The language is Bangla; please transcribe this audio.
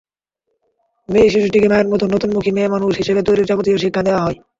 মেয়েশিশুটিকে মায়ের মতো নতমুখী মেয়েমানুষ হিসেবে তৈরির যাবতীয় শিক্ষা দেওয়া হয়।